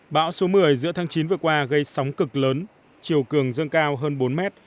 bão số một mươi giữa tháng chín vừa qua gây sóng cực lớn chiều cường dâng cao hơn bốn mét